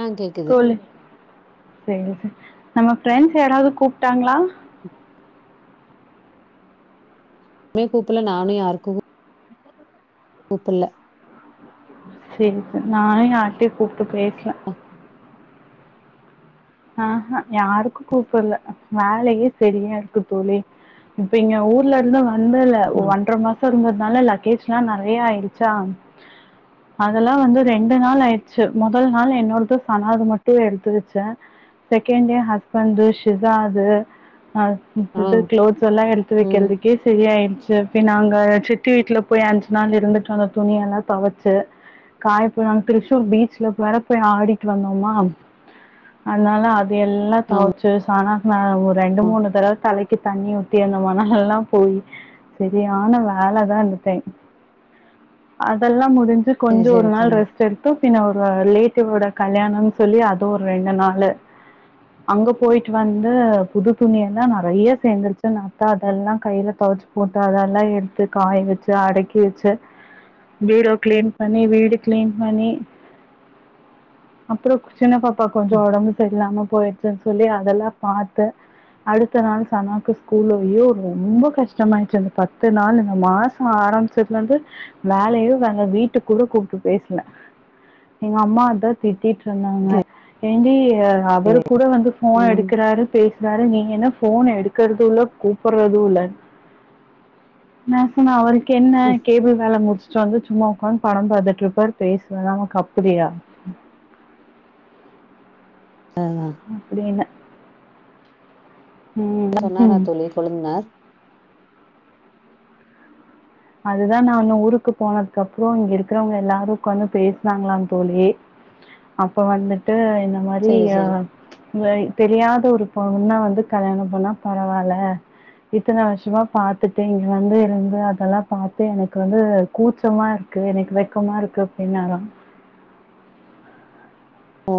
ஆ கேக்குது. தோழி நம்ம பிரெண்ட்ஸ் யாராவது கூப்டாங்ளா மே கூப்பில்ல நானு யாருக்கு கூப்பில்ல சேரி ப நானு யார்ட்டையு கூப்ட்டு பேசல அஹ யாருக்கு கூப்டல வேலையே சரியா இருக்கு தோழி இப்ப இங்க ஊர்ல இருந்து வந்தல ஒன்ற மாசஸ் திருந்தனால லக்கேஜ் எல்லா நறைய ஆயிடுச்சா அதெல்லா வந்து ரெண்டு நாள் ஆயிடுச்சு முதல் நாள் என்னோடது சனாது மட்டு எடுத்து வச்ச செகண்ட் டே ஹஸ்பண்ட் ஷிஜாது அது ஆ இத்த க்ளோத்ஸ் எல்லா எடுத்து ம் வைக்கிறதுக்கே சரியாயிடுச்சி நாங்க சித்தி வீட்டுல போய் தர்ஸ்டே நாங்க சித்தி விட்ல போய் அஞ்சி நாள் இருந்துட்டு வந்த துணிய எல்லா தொவச்சி காயப்புலா தீரிச்சூர் பீச்ல போற போய் ஆடிட்டு வந்தோமா அதனால அது எல்லா ஆமா தொவச்சே சனாக்ன ஒரு ரெண்டு மூனு தடவ தலைக்கு தண்ணி உத் தி அந்த மணல் எல்லா போய் சரியான வேல தா இந்த டை அதெல்லா முடிஞ்சி சரி கொஞ்சோ ஒரு சரி நாள் தோழி. ரெஸ்ட் எடுத்து பின்ன ஒரு ரிலேட்டிவ்யோட கல்யாணம்னு சொல்லி அது ஒரு ரெண்டு நாள் அல்ல அங்க போயிட்டு வந்து புது துணி எல்லா நறைய சேர்ந்துருச்சி நா அக்காட்ட எல்லா கையில தொவச்சு போட்டு அதெல்லா எடுத்து காய வச்சி அடக்கி வச்ச பீரோ கிளீன் பண்ணி வீடு கிளீன் பண்ணி அப்ரோ கு சின்ன பாப்பா கொஞ்சோ ம் உடம்பு சரி இல்லாம போயிடுச்சின் சொல்லி அதெல்லா பாத்து அடுத்த நாள் சனாவுக்கு ஸ்கூல் ஓயோ ரொம்ப கஷ்டமாயிடுச்சே அந்த பத்து நாளு இந்த மாஸ் கா ஆரம்பிச்சதுல இருந்து வேலையு வேங்க வீட்டுக்கு கூட கூப்ட்டு பேசுன எங்க அம்மா அதா திட்டிட்டு இருந்தாங்க ஏன்டி ஏங்க அவரு கூட வந்து போன் ம் எடுக்கறாரு பேசுறாரு நீங்க என்ன போன் எடுக்கறது இல்ல கூப்டுறது இல்ல என்ன சொன்னா அவரு க்கு என்ன கேபிள் வேல முடிச்சுட்டு வந்து சும்மா உக்காந்து படம் பாத்துட்டு இருப்பாரு பேசுவாரு ஆவங்கப் கப்டியியா அதுதா அப்டி இல்ல என்ன சொன்னாரா தோழி கொழுந்தனார் அதுதா நானு ஊருக்கு போனதுக்கு அப்ரோ இங்க இருக்கிறவங்க எல்லாரு உக்காந்து பேஸ்னாங்ளா தோழி அப்ப வந்துட்டு இந்த மாரி சரி அ சரி இந்மாரி தெரியாத ஒரு பொண்ண வந்து கல்யாணம் பண்ணா பரவால்ல இத்தன வருஷமா பாத்துட்டு இங்க வந்து இருந்து அதெல்லாம் பாத்து எனக்கு வந்து கூச்சமா இருக்கு எனக்கு வெக்கமா இருக்கு அப்டின்னாரா ஓ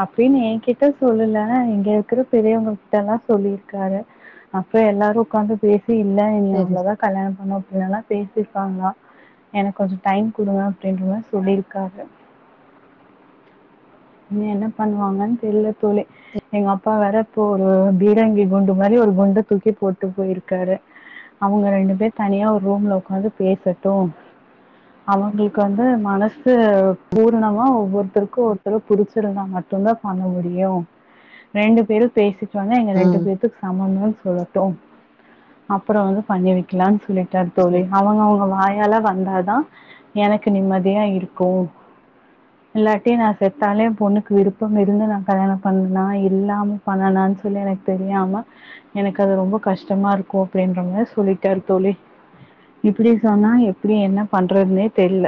அப்டின் ஏகிட்ட சொல்லல இங்க இருக்கிற பெரியவங்ககிட்ட எல்லா சொல்லியிருக்காரு அப்புறொ எல்லாரு உக்காந்து பேசி இல்ல நீ சரி சரி அவ்ளதா கல்யணம் பண்ணு அப்டின்லா சொ பேசிர்க்காங்ளா எனக்கு கொஞ்சொ டைம் குடுங்க அப்டின்றமாரி சொல்லிருக்காரு இன்னு என்ன பண்ணுவாங்கன் தெர்ல தோழி எங்க அப்பா வேற இப்போ ஒரு பீரங்கி குண்டு மாரி ஒரு குண்ட தூக்கி போட்டு போயிருக்காரு அவுங்க ரெண்டு பேர் தனியா ஒரு ரூம்ல உக்காந்து பேசட்டு அவுங்களுக்கு வந்து மனசு பூர்ணமா ஒருத்தருக்கு ஒருத்தர புடிச்சிருந்தா மட்டுதா பண்ண முடியு ரெண்டு பேரும் பேசிட்டு வந்தா எங்க ஆ ரெண்டு பேத்துக்கு சம்மந்தோன் சொல்லட்டு அப்புறொ வந்து பண்ணி வைக்கிலானு சொல்லி டாரு தோழி சரி அவங்கவங்க வாயால வந்தாதா எனக்கு நிம்மதியா இருக்கூ இல்லாட்டி நா செத்தாலு எ பொண்ணுக்கு விருப்பம் இருந்து நா கல்யாணம் பண்ணனா இல்லாம பண்ணனான் சொல்லி எனக்கு தெரியாம எனக்கு அது ரொம்ப கஷ்டமா இருக்கூ அப்டின்றமாரி சொல்லிட்டாரு தோழி இப்டி சொன்னா எப்டி என்ன பண்றதுன்னே தெர்ல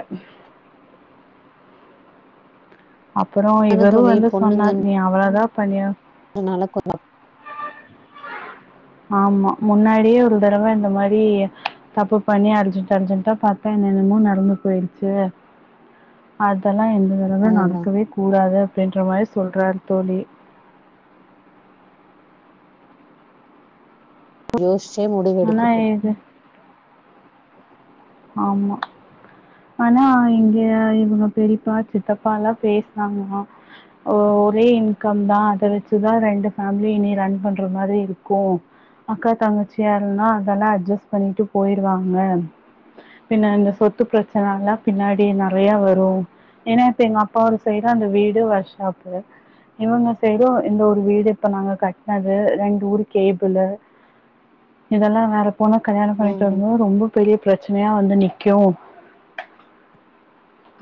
அப்பறொ ஆனா இவரு தோழி வந்து சொன்னாரு நீ அவளதா பண்ணியா அதனால கொஞ்சம் ஆமா முன்னாடியே ஒரு தடவ இந்த மாரி தப்பு பண்ணி அர்ஜென்ட் அர்ஜென்ட்டா பாத்தா என்னென்னமோ நடந்து போயிடுச்சு அதெல்லா இந்த தடவ அதுதா நடக்கவே கூடாது அப்டின்ற மாரி சொல்றாரு தோழி யோஸ்ச்சே முடிவு ஆனா எடுக்கட்டூ இது ஆமா ஆனா இங்கே இவுங்க பெரிப்பா சித்தப்பா எல்லா பேசுனாங்ளா ஓ ஒரே இன்கம் தா அத வச்சுதா ரெண்டு ஃபேமிலி இனி ரன் பண்ற மாதிரி இருக்கூ அக்கா தங்கச்சியாருன்னா அதெல்லா அட்ஜஸ்ட் பண்ணிட்டு போயிருவாங்க பின்ன இந்த சொத்து பிரச்சன எல்லா பின்னாடி நறைய வரு ஏன்னா இப்ப எங்க அப்பா ஒரு சைடு அந்த வீடு ஒர்க் ஷாப்பு இவங்க சைடூ இந்த ஒரு வீடு இப்ப நாங்க கட்னது ரெண்டு ஊர் கேபிளு இதெல்லா வேற பொண்ண கல்யாணம் ம் பண்ணிட்டு ம் வரம்போது ரொம்ப பெரிய பிரச்சனையா வந்து நிக்கூ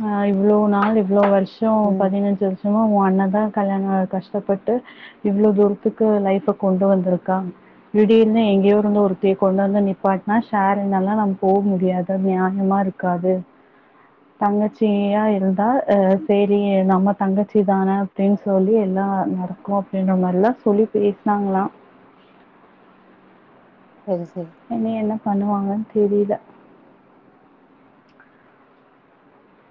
அ இவ்வளோ நாள் இவ்வளோ வருஷோ ம் பதினஞ்சு வருஷமா உன் அண்ண தா கல்யாணொ கஷ்டப்பட்டு இவ்ளோ தூரத்துக்கு லைஃப் அ கொண்டு வந்துருக்கா திடீர்னு எங்கேயோ இருந்து ஒருத்திய கொண்டு வந்து நிப்பாட்னா ஷேர் என்னல்லா போ முடியாது நியாயமா இருக்காது தங்கச்சியா இருந்தா அ சேரி நம்ம தங்கச்சிதான அப்டின் சொல்லி எல்லா நடக்கூ அப்டின்ற மாரிலா சொல்லி பேஸ்னாங்களா செரி செரி இனி என்ன பண்ணுவாங்கன்னு தெரியில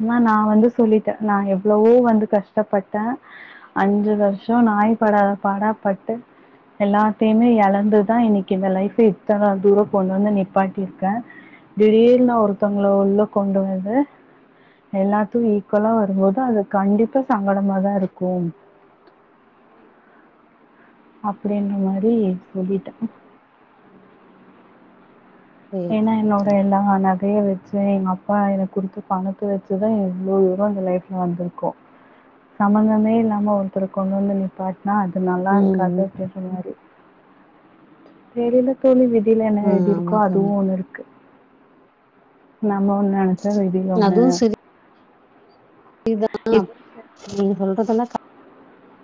ஆனா நா வந்து சொல்லிட்டே நா எவ்வளவோ வந்து கஷ்டப்பட்டே அஞ்சு வருஷொ நாய் படாத பாடா பட்டு எல்லாத்தையுமே எழந்துதா இன்னைக்கி இந்த லைஃப் இத்தன தூரோ கொண்டு வந்து நிப்பாட்டிருக்கே திடீர்னா ஒருத்தவங்கள உள்ள கொண்டுவந்து எல்லாத்தைக்கு ஈக்குவலா வரும்போது அது கண்டிப்பா சங்கடமாதா இருக்கும் அப்டின்ன மாரி சொல்லிட்டே சரி ஏன்னா சரி என்னோட தோழி. எல்லா நகையு வெ ச்சு எங்க அப்பா எனக் குடுத்த பணத்த வச்சுதா இவ்ளோ தூரே இந்த லைஃப்ல வந்துருக்கோ சம்மந்தமே இல்லாம ஒருத்தர கொண்டு வந்து நிப் பாட்னா அது ம் நல்லாருக்காது ம் சொன்ன மாரி வேறென்ன தோழி விதில என்ன ஆ எழுதிருக்கோ ஆமா தோழி. அதுவு ஒண்ணு இருக்கு நம்மோண்ணு நெனச்சா விதில ஒண்ணு அதுவு [inaudible] இப்போ நீங்க சொல்றதெல்லா கர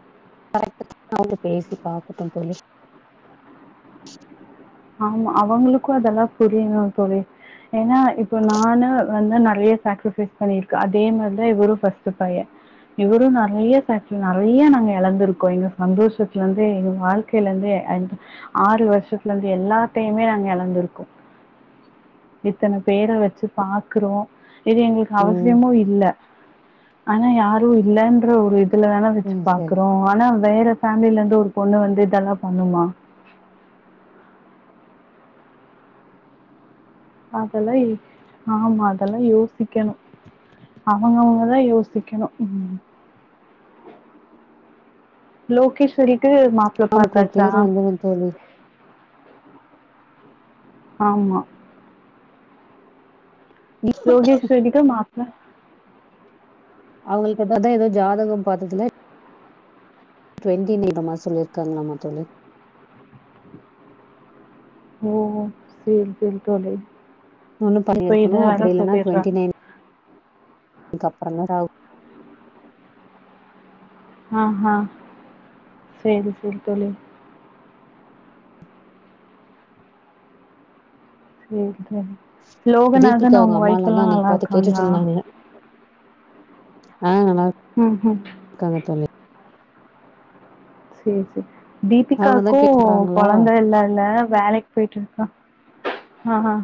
[inaudible] கரெக்ட் தா பேசி பாக்கட்டு தோழி ஆமா அவுங்களுக்கு அதெல்லா புரியணு தோழி ஏன்னா இப்ப நானு வந்து நறைய சாக்ரிஃபைஸ் பண்ணியிருக்க அதே மாரிதா இவரு ஃபஸ்ட்டு பைய இவரு நறைய சாக் நறைய நாங்க எழந்திருக்கோ எங்க சந்தோஷத்துலருந்து எங்க வாழ் கையிலருந்து அஞ்சு ஆறு வருசத்துலருந்து து எல்லாத்தையுமே நாங்க எழந்திருக்கோ இத்தன பேர வச்சு பாக்குறோ இது எங்களுக்கு ம் அவசியமும் இல்ல ஆனா யாரு இல்லன்ற ஒரு இது இதுல தான வச்சு ம் சரி பாக்குறோ ஆனா வேற ஃபேமிலருந்து ஒரு பொண்ணு வந்து இதெல்லா பண்ணுமா அதெல்லா இல் ஆமா அதெல்லா யோசிக்கணு அவுங்கவுங்கதா யோசிக்கணு ம் லோகேஸ்வரிக்கி மா நமக்கு ஒரு பேரு வந்துரு தோழி ஆமா லோகேஸ்வரிக்கி மாப்ள அவங்களுக்கு தா ஏதோ ஜாதகோ பாத்ததுல டுவெண்டி நிதமா சொல்லிருக்காங்களாமா தோழி ஓ ஓ சேரி சேரி தோழி ஒண்ணு இப்ப இத பண்ணிருக்கணு வேற அப்படி இல்லன்னா சொல்லிட்றாங்க இதுக்குப்புற [unintelligible] ஆஹ சேரி சேரி தோழி சேரி தோழி தீபிகா லோகநாதன் அவங்க அவுங்க அம்மாலா ஒய்ஃப்ல்லா தா அன்னைக்கு பாத்து கேட்டுட்டு நல்லாருக்காங்களா இருந்தாங்க ஆ நல்லாருக் ம் ம் காங்க தோழி சேர் சேரி அவங்கதா தீபிகாக்கு கேக்குறாங்களா கொழந்தல்லல்ல வேலைக் பேயிட்ருக்கா ஆ ஹ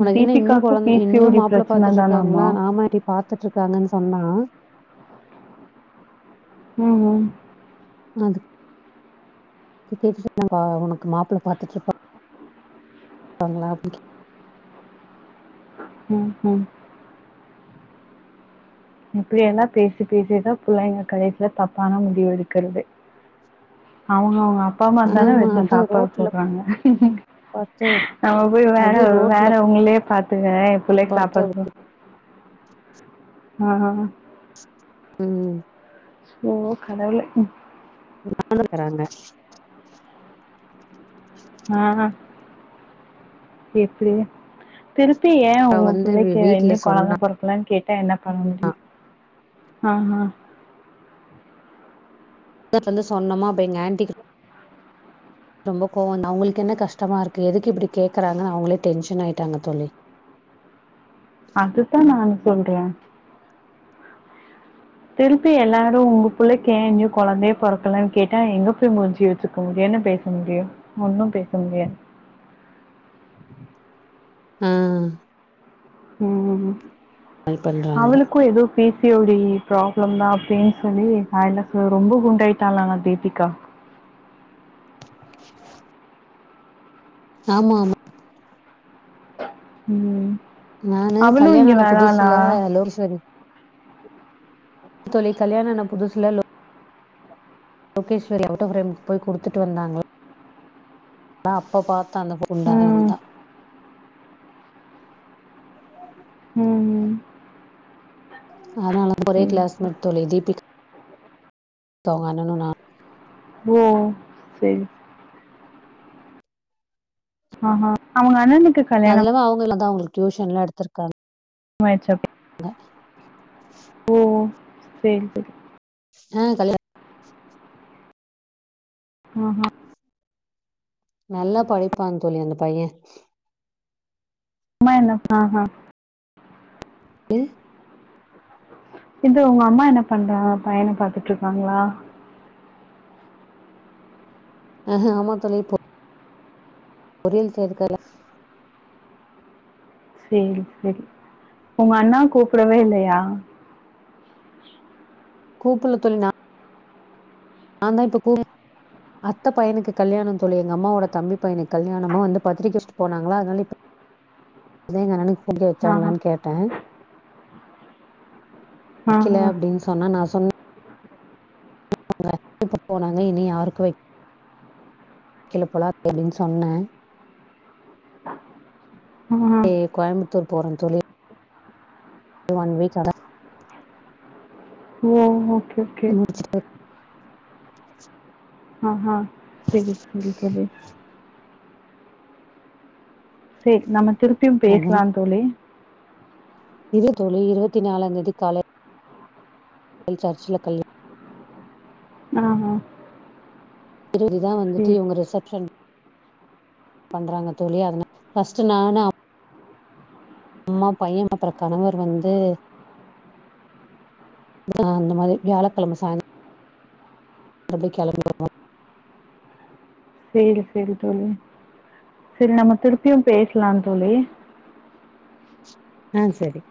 உனக்கு என்ன இன்னு கொழந்த இன்னு மாப்புள்ள பிரச்சனை பாத்துட்ருக்காங்களா தானாமா? ஆமாட்டி பாத்துட்ருக்காங்கன்னு சொன்னா ம் ம் அதுக் [inaudible] உனக்கு மாப்புள்ள பாத்துட்டுருக் காங்களா அப்டி கே ம் ம் இப்டில்லா பேசி பேசிதா புள்ளைங்க கடைசில தப்பான முடிவு எடுக்கறதே அவுங்கவுங்க அப்ப அம்மா தான ஆமா வெச்சு அதுவு சாப்பாட் ரோட்ல போட்றாங்க பாத்து நம்ம போய் வேற அதுவு ரோட்ல வேற நீங்களே பாத்துகங்க ஏ புள்ளைக் சாப்பா பாத்து போ ஆ ஹ ம் ஓ கடவுளே வளந்துருக்கறாங்க ஆ எப்டி திருப்பி ஏன் நா உங்க வந்து வீ பிள்ளைக்கு வீட்ல இன்னும் கொழந்த சொன்ன பொறக்கலேன்னு கேட்டா என்ன பண்ண முடியும் ஆ ஆ வந்து சொன்னோமா அப்போ எங்க ஆன்டிக் ரொம்ப கோவோ அவங்களுக்கு என்ன கஷ்டமா இருக்கு எதுக்கு இப்டி கேக்குறாங்கன்னு அவங்களே டென்ஷன் ஆயிட்டாங்க தோழி அதுதான் நானும் சொல்றேன் திருப்பி எல்லாரும் உங்க புள்ளைக்கு ஏன் இன்னும் கொழந்தையே பொறக்கலேனு கேட்டா எங்க போய் மூஞ்சிய வச்சு இப்ப உங்கிட்ட என்ன பேச முடியும் ஒன்னும் பேச முடியாது ம் ம் கால் பண்றாங்க அவளுக்கும் ஏதோ பிசி ஓடி ப்ராப்ளம் தான் அப்பிடின்னு சொல்லி ரொம்ப குண்டாயிட்டாளா தீபிகா ஆமா ஆமா ம் நானு அவளும் கல்யாண இங்க ஆன வராளா புதுசுல லோகேஸ்வரி தோழி கல்யாணம் ஆன புதுசுல லோகேஷ்வரி அவுட்டோ [unintelligible] குடுத்துட்டு வந்தாங்க நான் அப்ப பாத்த அந்த ம் உண்டாகந்தா ம்ம் ஆனா ஒரே சரி. கிளாஸ்மேட் தோழி தீபிகா அவுக அண்ணனு நானு ம் சரி ஆ அவுங்க அண்ணனுக்கு கல்யாணம் அதுல தான் அவங்க எல்ல தா அவங்க டியூஷனெல்லா எடுத்துருக்காங்க வயசப்படி ஆ ஓ சேரி சேரி ஆ கல்யாண ம்ஹும் நல்லா படிப்பான் தோழி அந்த பையன் அம்மா என்ன ம் ம் டி இந்த உங்க அம்மா என்ன பண்றாங்க பையன பாத்துட்டு இருக்காங்களா ம்ஹும் ஆமா தோழி போ பொறியல் சேர்க்கல சேரி சேரி உங்க அண்ணா கூப்டவே இல்லையா கூப்புடல தோழி நா நான் தான் இப்போ கும் அத்த பையனுக்கு கல்யாணோ தோழி எங்க அம்மோட தம்பி பையனுக்கு கல்யாணமா வந்து பத்திரிக்கை வச்சிட்டு போனாங்களா அதனால இப்ப அதான் எங்க அண்ணனுக்கு போய் ஆஹா, வச்சாங்களான்னு கேட்டேன் வெக்கல ஆஹா, அப்டின்னு சொன்னா நான் சொன்னே உங்க [inaudible] போனாங்க இனி யாருக்கோய் கில பொலா அப்டின்னு சொன்னே ஆஹா. இ கோயம்புத்தூர் போறே தொழி ஒன் வீக் அடா ஓ ஓகே ஓகே [unintelligible] ஆஹ்ஹா செரி செரி தோழி செர் நம்ம திருப்பியு முடிச்சாங்க பேசலா தோழி இது தோழி இருவத்தி நாலாந் தேதி காலை சர்ச்ல கல்யா மாகு [unintelligible] இறுதிதா வந்துட்டு இவ்ங்க ரெசப்ஷன் பண்றாங்க தோழி அதனா ஃபஸ்ட்டு நானு அப் ம்மா பையன்ட அப்றொ கணவர் வந்து ஆ அந்த மாரி வியாழக்கெழம சாய் நல்லபடி கெளம்பிர்வோ செரி செரி தோழி செரி நம்ம திருப்பியு பேசலா தோழி ஆ செரி